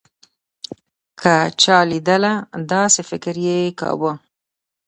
که چا لېدله داسې فکر يې کوو.